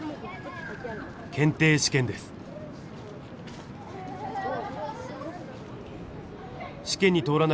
検定試験です。